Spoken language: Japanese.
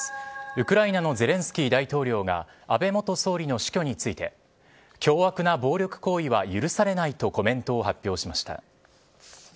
ウクライナのゼレンスキー大統領が安倍元総理の死去について凶悪な暴力行為は許されないとコメントを発表しました。